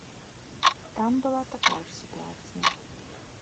Там была такая ж сітуацыя.